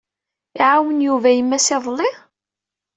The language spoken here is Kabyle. Iɛawen Yuba yemma-s iḍelli?